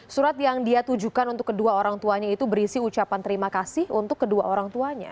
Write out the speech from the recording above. surat yang dia tujukan untuk kedua orang tuanya itu berisi ucapan terima kasih untuk kedua orang tuanya